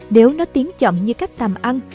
nếu nó tiến chậm như cách tàm ăn